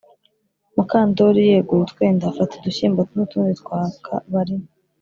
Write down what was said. mukandori yeguye utwenda, afata udushyimbo n'utundi twaka bari